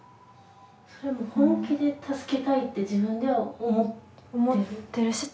それも本気で助けたいって自分では思ってる？